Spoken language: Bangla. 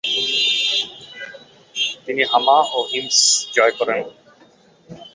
তিনি হামা ও হিমস জয় করেন।